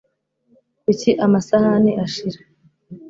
kuki amasahani ashira